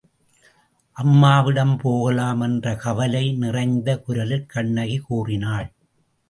அம்மாவிடம் போகலாம் என்ற கவலை நிறைந்த குரலில் கண்ணகி கூறினாள்.